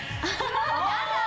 やだ。